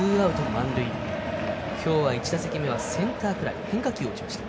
今日は１打席目はセンターフライ変化球を打ちました。